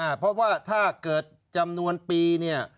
เพราะว่าถ้าเกิดจำนวนปีเนี่ย